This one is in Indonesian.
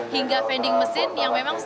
hingga vending mesin yang memang stabil